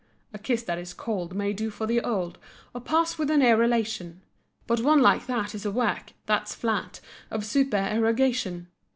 A kiss that is cold may do for the old, Or pass with a near relation; But one like that is a work—that's flat— Of supererogation.